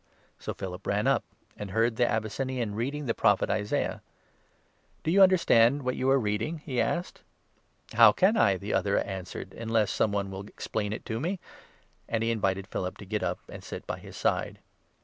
So Philip ran up, and he heard the Abyssinian reading the 30 Prophet Isaiah. " Do you understand what you are reading ?" he asked. "How can I," the other answered, "unless some one will 31 explain it to me ?" and he invited Philip to get up and sit by his side.